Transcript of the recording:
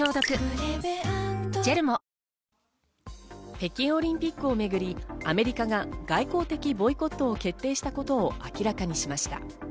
北京オリンピックをめぐり、アメリカが外交的ボイコットを決定したことを明らかにしました。